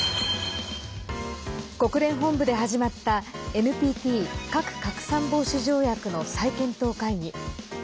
国連本部で始まったＮＰＴ＝核拡散防止条約の再検討会議。